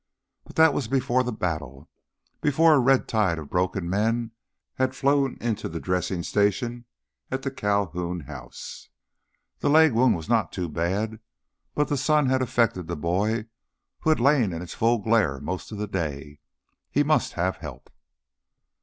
But that was before the battle, before a red tide of broken men had flowed into the dressing station at the Calhoun house. The leg wound was not too bad, but the sun had affected the boy who had lain in its full glare most of the day. He must have help.